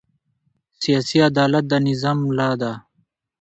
سیاسي عدالت د نظام ملا ده